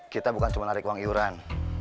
kita bukan cuma lari ke uang iuran